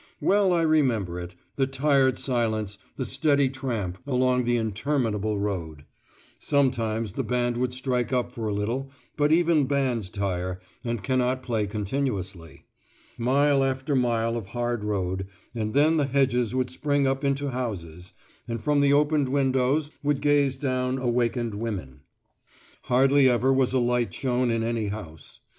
Well I remember it the tired silence, the steady tramp, along the interminable road. Sometimes the band would strike up for a little, but even bands tire, and cannot play continuously. Mile after mile of hard road, and then the hedges would spring up into houses, and from the opened windows would gaze down awakened women. Hardly ever was a light shown in any house.